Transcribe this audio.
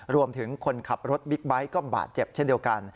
คนขับรถบิ๊กไบท์ก็บาดเจ็บเช่นเดียวกัน